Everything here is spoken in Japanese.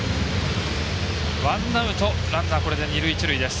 ワンアウト、ランナーこれで二塁一塁です。